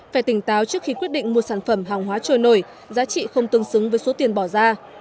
phải tỉnh táo trước khi quyết định mua sản phẩm hàng hóa trôi nổi giá trị không tương xứng với số tiền bỏ ra